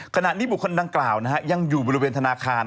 ขณะนี้บุคคลดังกล่าวยังอยู่บริเวณธนาคาร